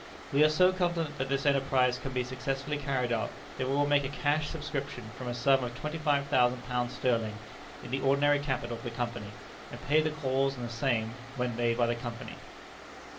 "We are so confident that this enterprise can be successfully carried out, that we will make a cash subscription for a sum of twenty five thousand pounds sterling in the ordinary capital of the Company, and pay the calls on the same when made by the Company.